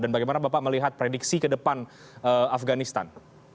dan bagaimana bapak melihat prediksi kedepan afghanistan